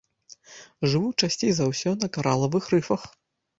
Жывуць часцей за ўсё на каралавых рыфах.